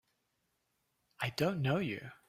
I don't know you!